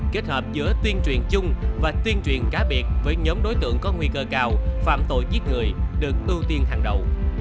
kết hợp giữa tuyên truyền chung và tuyên truyền cá biệt với nhóm đối tượng có nguy cơ cao phạm tội giết người được ưu tiên hàng đầu